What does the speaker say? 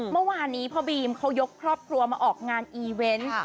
เมื่อวานนี้พ่อบีมเขายกครอบครัวมาออกงานอีเวนต์